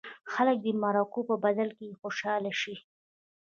خلک دې د مرکو په بدل کې خوشاله شي.